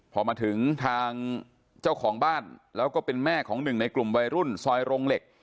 พอมาถึงทางเจ้าของบ้านแล้วก็เป็นแม่ของหนึ่งในกลุ่มวัยรุ่นซอยโรงเหล็ก